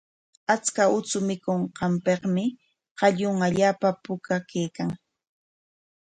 Achka uchu mikunqanpikmi qallun allaapa puka kaykan.